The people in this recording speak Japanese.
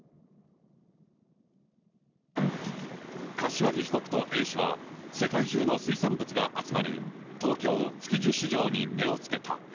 柏木被告とＡ氏は、世界中の水産物が集まる東京・築地市場に目をつけた。